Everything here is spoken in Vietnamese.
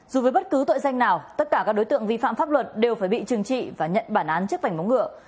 dù với bất cứ tội danh nào tất cả các đối tượng vi phạm pháp luật đều phải bị trừng trị và nhận bản án trước vảnh móng ngựa